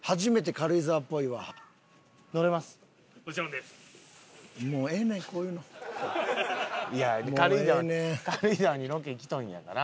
軽井沢にロケ来とんやから。